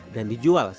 dan dijual di rusia